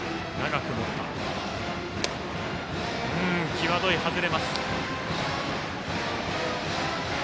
際どい、外れます。